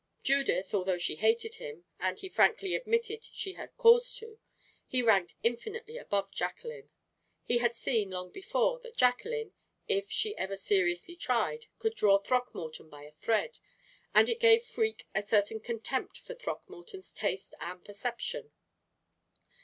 Judith, although she hated him, and he frankly admitted she had cause to, he ranked infinitely above Jacqueline. He had seen, long before, that Jacqueline, if she ever seriously tried, could draw Throckmorton by a thread, and it gave Freke a certain contempt for Throckmorton's taste and perception.